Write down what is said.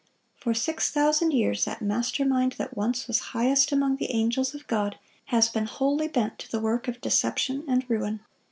For six thousand years that master mind that once was highest among the angels of God, has been wholly bent to the work of deception and ruin.